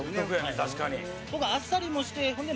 確かに。